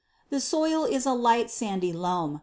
The soil is a light sandy loam.